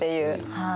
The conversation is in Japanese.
はい。